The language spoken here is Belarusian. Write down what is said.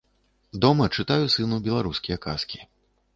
Дома чытаю сыну беларускія казкі.